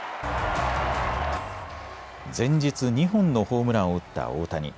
前日、２本のホームランを打った大谷。